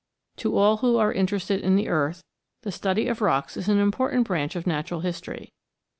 To all who are interested in the earth, the study of rocks is an important branch of natural history.